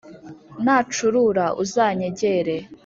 nacurura uzanyegere